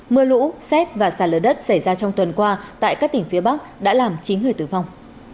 mưa lũ xét và xả lở đất xảy ra trong tuần qua tại các tỉnh phía bắc đã làm chín người tử vong